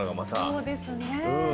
そうですね。